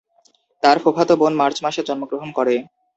তার ফুফাতো বোন মার্চ মাসে জন্মগ্রহণ করে।